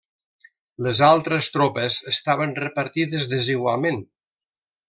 Les altres tropes estaven repartides desigualment.